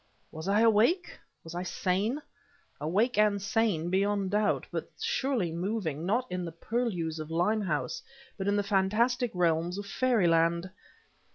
Was I awake, was I sane? Awake and sane beyond doubt, but surely moving, not in the purlieus of Limehouse, but in the fantastic realms of fairyland.